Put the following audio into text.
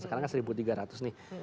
sekarang kan seribu tiga ratus nih